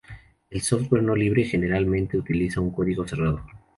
El software no libre generalmente utiliza un código cerrado.